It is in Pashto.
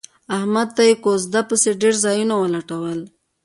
احمد ته یې کوزده پسې ډېر ځایونه ولټول